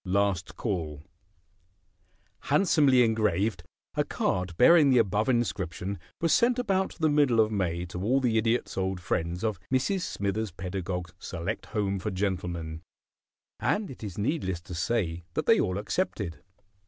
P. LAST CALL Handsomely engraved, a card bearing the above inscription was sent about the middle of May to all the Idiot's old friends of Mrs. Smithers Pedagog's select home for gentlemen, and it is needless to say that they all accepted.